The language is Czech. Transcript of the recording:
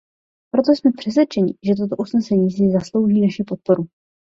Proto jsme přesvědčeni, že toto usnesení si zaslouží naši podporu.